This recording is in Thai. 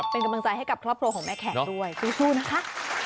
เป็นกำลังใจให้กับครอบครัวของแม่แขกด้วยสู้นะคะ